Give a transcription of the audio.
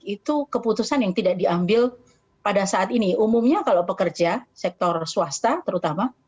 itu keputusan yang tidak diambil pada saat ini umumnya kalau pekerja sektor swasta terutama